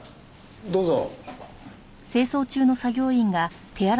どうぞ。